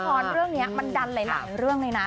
เรื่องนี้มันดันหลายเรื่องเลยนะ